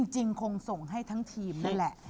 จริงคงส่งให้ทั้งทีมนั่นแหละ